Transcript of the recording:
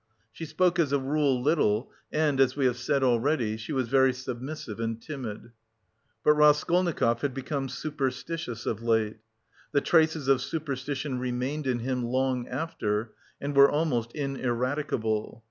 She spoke as a rule little and, as we have said already, she was very submissive and timid. But Raskolnikov had become superstitious of late. The traces of superstition remained in him long after, and were almost ineradicable.